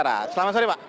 ari askara selamat sore pak